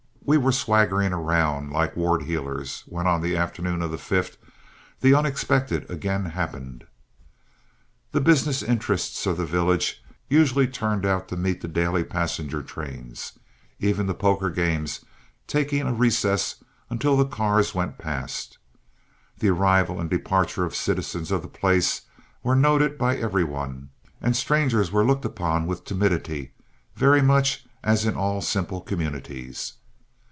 We were swaggering about like ward heelers, when on the afternoon of the 5th the unexpected again happened. The business interests of the village usually turned out to meet the daily passenger trains, even the poker games taking a recess until the cars went past. The arrival and departure of citizens of the place were noted by every one, and strangers were looked upon with timidity, very much as in all simple communities.